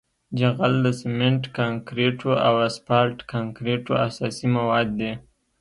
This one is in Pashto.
جغل د سمنټ کانکریټو او اسفالټ کانکریټو اساسي مواد دي